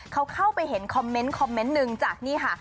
เขาเข้าไปเห็นคอมเมนต์คอมเมนต์หนึ่งจากนี่ค่ะ